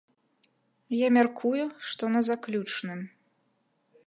Я мяркую, што на заключным.